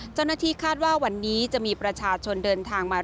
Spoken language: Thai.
เจ้าหน้าที่คาดว่าวันนี้จะมีประชาชนเดินทางมา